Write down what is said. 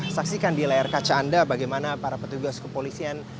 saksikan di layar kaca anda bagaimana para petugas kepolisian